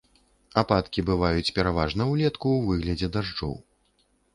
Ападкі бываюць пераважна ўлетку ў выглядзе дажджоў.